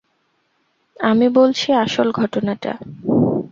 আমি বলছি আসল ঘটনাটা।